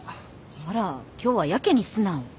あら今日はやけに素直。